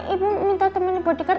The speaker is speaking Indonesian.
ibu minta teman di bodekar